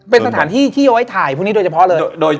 เป็นสถานที่ที่เอาไว้ถ่ายพวกนี้โดยเฉพาะเลย